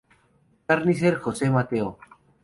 Carnicer Jose, Mateo.